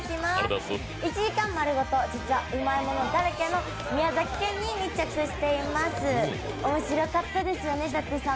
１時間丸ごと、実はうまいものだらけの宮崎県に密着しています。面白かったですよね舘様。